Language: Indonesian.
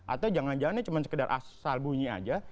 atau jangan jangan ini sekedar asal bunyi saja